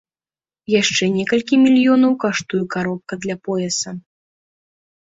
Яшчэ некалькі мільёнаў каштуе каробка для пояса.